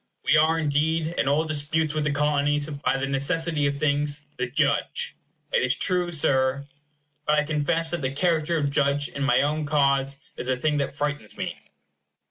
We are, indeed, in all disputes with the Colonies, by the necessity of things, the judge. It is true, Sir. But I confess that the character of judge in my own cause is a thing that frightens me.